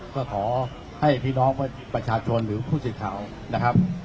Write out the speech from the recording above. ก็ขอให้พี่น้องประชาชนหรือผู้สิทธิ์ข่าว